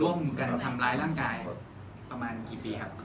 ทำร้ายร่างกายประมาณกี่ปีครับ